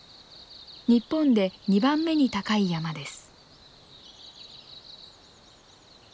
日本で二番目に高い山です。